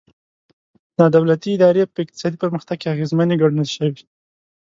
نا دولتي ادارې په اقتصادي پرمختګ کې اغېزمنې ګڼل شوي.